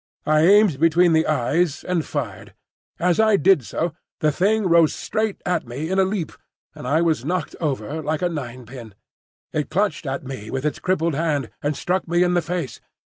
I aimed between the eyes and fired. As I did so, the Thing rose straight at me in a leap, and I was knocked over like a ninepin. It clutched at me with its crippled hand, and struck me in the face.